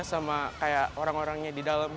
sama kayak orang orangnya di dalam